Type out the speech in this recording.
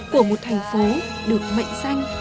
của một thành phố được mệnh danh